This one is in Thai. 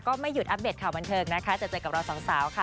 ไม่หยุดอัปเดตข่าวบันเทิงนะคะจะเจอกับเราสองสาวค่ะ